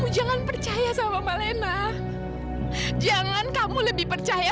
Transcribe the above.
sampai jumpa di video selanjutnya